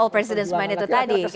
presiden semen itu tadi